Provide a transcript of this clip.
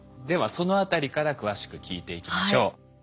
ではそのあたりから詳しく聞いていきましょう。